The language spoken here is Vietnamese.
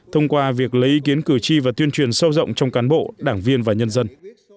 thông qua việc lấy ý kiến cử tri và tuyên truyền sâu rộng trong cán bộ đảng viên và nhân dân